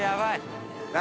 何？